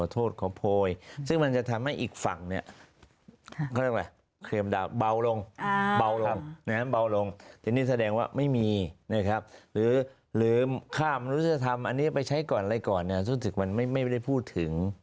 ทีนี้แสดงว่าไม่มีหรือค่ำมรูธธรรมอันนี้ไปใช้ก่อนอะไรก่อนสู้สึกมันไม่ได้พูดถึง